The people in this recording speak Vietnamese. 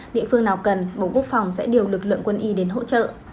địa phương nào cần bộ quốc phòng sẽ điều lực lượng quân y đến hỗ trợ